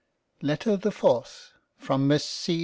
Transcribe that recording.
L. LETTER the FOURTH From Miss C.